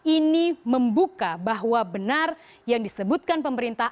ini membuka bahwa benar yang disebutkan pemerintah